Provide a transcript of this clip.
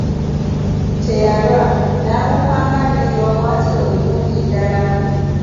Teyalwa n'abuuka ng'alina ebiwaawaatiro ebirungi ddala.